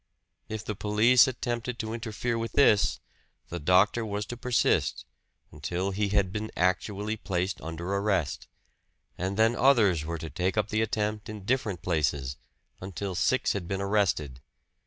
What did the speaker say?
If the police attempted to interfere with this, the doctor was to persist until he had been actually placed under arrest; and then others were to take up the attempt in different places, until six had been arrested.